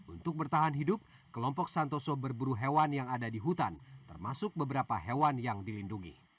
untuk bertahan hidup kelompok santoso berburu hewan yang ada di hutan termasuk beberapa hewan yang dilindungi